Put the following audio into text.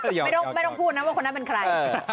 ไม่ต้องพูดนะว่าคนนั้นเป็นใคร